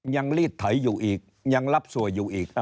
ลีดไถอยู่อีกยังรับสวยอยู่อีก